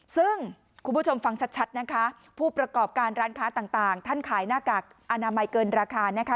ซึ่งคุณผู้ชมฟังชัดนะคะผู้ประกอบการร้านค้าต่างท่านขายหน้ากากอนามัยเกินราคานะคะ